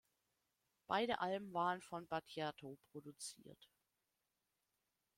Beide Alben waren von Battiato produziert.